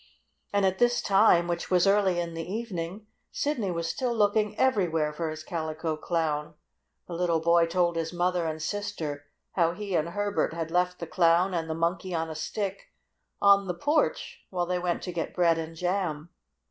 And at this time, which was early in the evening, Sidney was still looking everywhere for his Calico Clown. The little boy told his mother and sister how he and Herbert had left the Clown and the Monkey on a Stick on the porch while they went to get bread and jam.